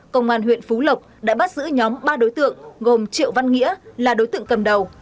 công an huyện phú lộc đã bắt giữ nhóm ba đối tượng gồm triệu văn nghĩa là đối tượng cầm đầu